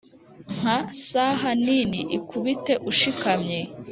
nka saha nini, ikubite ushikamye